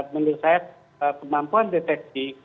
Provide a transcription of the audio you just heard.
menurut saya kemampuan deteksi